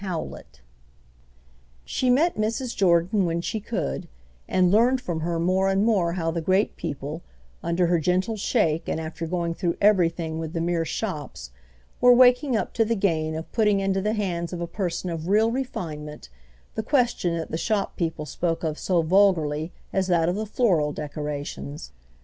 CHAPTER VI. She met Mrs. Jordan when she could, and learned from her more and more how the great people, under her gentle shake and after going through everything with the mere shops, were waking up to the gain of putting into the hands of a person of real refinement the question that the shop people spoke of so vulgarly as that of the floral decorations.